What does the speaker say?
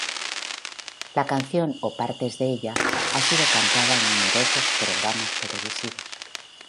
La canción, o partes de ella, ha sido cantada en numerosos programas televisivos.